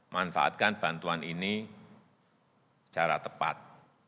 manfaatkan bantuan ini secara tepat